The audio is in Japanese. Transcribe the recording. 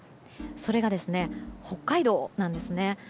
それが、北海道なんですね。